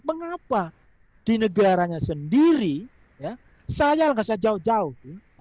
mengapa di negaranya sendiri ya saya langsung jauh jauh